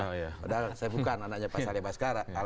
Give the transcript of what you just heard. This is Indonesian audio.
padahal saya bukan anaknya pak saleh baskara